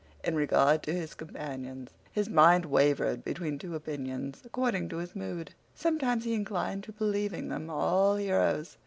In regard to his companions his mind wavered between two opinions, according to his mood. Sometimes he inclined to believing them all heroes.